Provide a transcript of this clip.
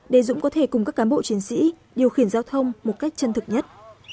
để dũng có thể cùng các cán bộ chiến sĩ điều khiển giao thông một cách chân thực nhất